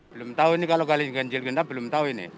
belum tahu ini kalau kalian dengan jilgenda belum tahu ini